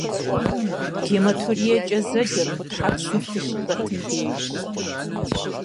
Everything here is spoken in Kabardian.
Гематуриекӏэ зэджэр гъутхьэпсым лъы щыхэтым дежщ.